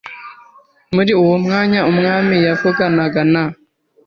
Muri uwo mwanya umwami yavuganaga na